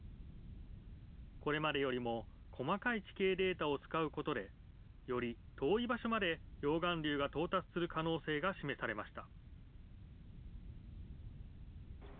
これまでよりも細かい地形データを使うことで、より遠い場所まで溶岩流が到達する可能性が示されました。